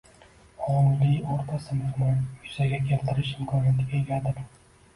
ongli o‘rta sinfni yuzaga keltirish imkoniyatiga egadir.